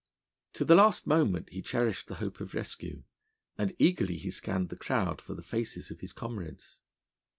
To the last moment he cherished the hope of rescue, and eagerly he scanned the crowd for the faces of his comrades.